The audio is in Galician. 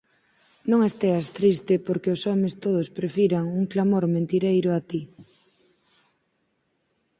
Non esteas triste porque os homes todos prefiran un clamor mentireiro a ti: